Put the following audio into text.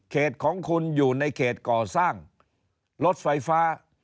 ของคุณอยู่ในเขตก่อสร้างรถไฟฟ้า